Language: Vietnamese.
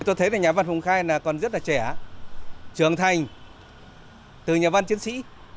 tôi thấy nhà văn phùng khai còn rất là trẻ trưởng thành từ nhà văn chiến sĩ